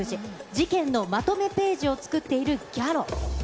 事件のまとめページを作っているギャロ。